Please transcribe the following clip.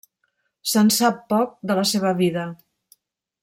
Se'n sap poc de la seva vida.